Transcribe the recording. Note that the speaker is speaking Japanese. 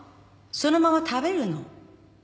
そのまま食べるの。